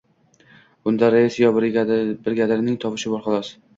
Bunda rais yo brigadirning tovushi bor xolos.